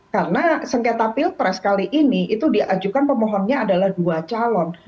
karena sengketa pilpres kali ini itu diajukan pemohonnya adalah dua calon